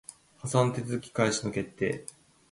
破産手続開始の決定